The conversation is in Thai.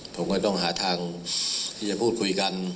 ผมก็ต้องหาทางที่จะพูดคุยกัน